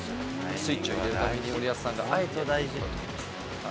スイッチを入れるために森保さんがあえてやっている。